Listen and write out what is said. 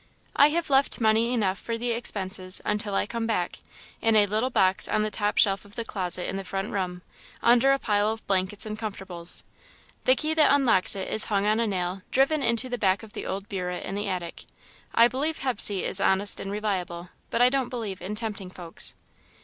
"I have left money enough for the expenses until I come back, in a little box on the top shelf of the closet in the front room, under a pile of blankets and comfortables. The key that unlocks it is hung on a nail driven into the back of the old bureau in the attic. I believe Hepsey is honest and reliable, but I don't believe in tempting folks.